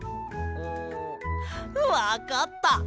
わかった！